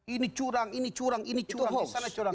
ini curang ini curang ini curang disana curang